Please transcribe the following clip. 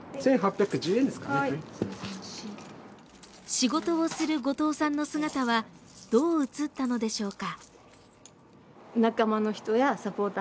仕事をする後藤さんの姿はどう映ったのでしょうか。